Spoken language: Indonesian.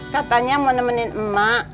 katanya mau nemenin mak